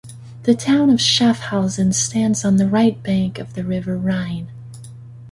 The town of Schaffhausen stands on the right bank of the river Rhine.